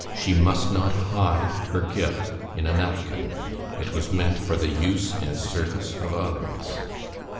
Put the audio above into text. She must not hide her gift in a napkin; it was meant for the use and service of others.